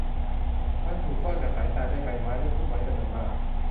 มันถูกซ่อนจากสายตาด้วยใบไม้และพุ่มไม้จำนวนมาก